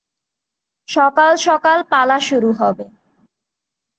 সকাল সকাল পালা শুরু হবে।